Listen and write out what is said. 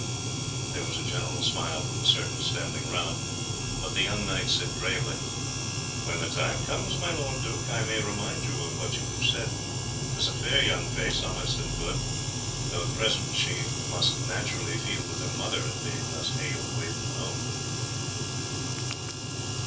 There was a general smile from the circle standing round, but the young knight said gravely, "When the time comes, my lord duke, I may remind you of what you have said. 'Tis a fair young face, honest and good, though at present she must naturally feel with her mother at being thus haled away from her home."